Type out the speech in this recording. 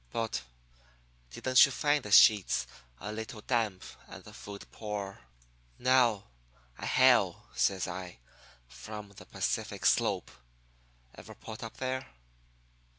But didn't you find the sheets a little damp and the food poor? Now, I hail,' says I, 'from the Pacific Slope. Ever put up there?'